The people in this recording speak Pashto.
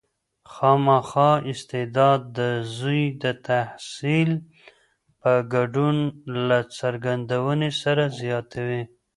خامخا استعداد د زوی د تحصیل په ګډون له څرګندونې سره زیاتوي.